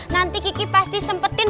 nanti kiki pasti sempetin